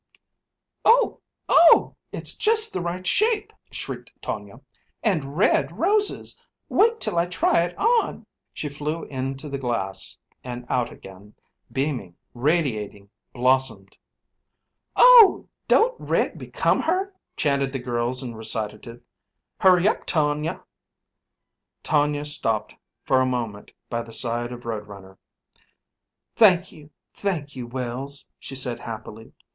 "Oh, oh! it's just the right shape," shrieked Tonia. "And red roses! Wait till I try it on!" She flew in to the glass, and out again, beaming, radiating, blossomed. "Oh, don't red become her?" chanted the girls in recitative. "Hurry up, Tonia!" Tonia stopped for a moment by the side of Road Runner. "Thank you, thank you, Wells," she said, happily.